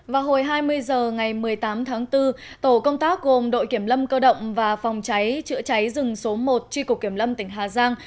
vào hồi hai mươi h ngày một mươi tám tháng bốn tổ công tác gồm đội kiểm lâm cơ động và phòng cháy chữa cháy rừng số một tri cục kiểm lâm tỉnh hà giang